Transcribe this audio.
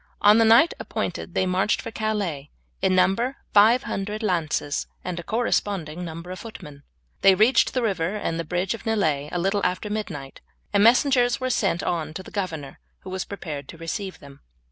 On the night appointed they marched for Calais, in number five hundred lances and a corresponding number of footmen. They reached the river and bridge of Nieullay a little after midnight, and messengers were sent on to the governor, who was prepared to receive them.